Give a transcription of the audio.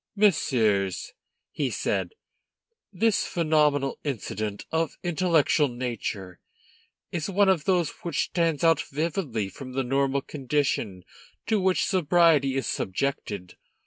"Messieurs," he said, "this phenomenal incident of intellectual nature is one of those which stand out vividly from the normal condition to which sobriety is subjected.